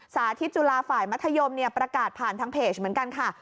สาธิตจุฬาฝ่ายมัธยมประกาศผ่านทางเพจเหมือนกันค่ะ